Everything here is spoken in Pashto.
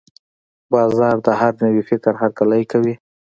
بازار د هر نوي فکر هرکلی کوي.